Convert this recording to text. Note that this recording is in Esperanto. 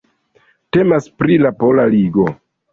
Temas pri la Pola Ligo.